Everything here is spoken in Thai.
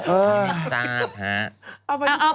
เออไม่ทราบ